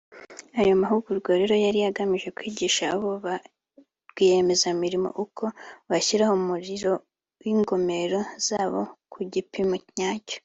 Ayo mahugurwa rero yari agamije kwigisha abo ba rwiyemezamirimo uko bashyira umuriro w’ingomero zabo ku gipimo nyacyo